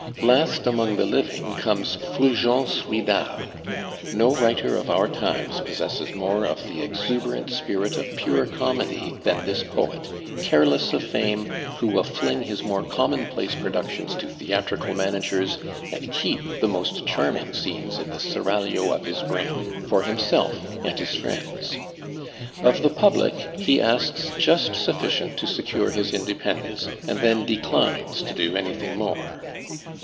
Last among the living comes Fulgence Ridal. No writer of our times possesses more of the exuberant spirit of pure comedy than this poet, careless of fame, who will fling his more commonplace productions to theatrical managers, and keep the most charming scenes in the seraglio of his brain for himself and his friends. Of the public he asks just sufficient to secure his independence, and then declines to do anything more.